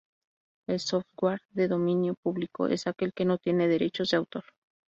El software de dominio público es aquel que no tiene derechos de autor.